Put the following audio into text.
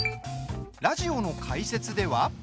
ラジオの解説では。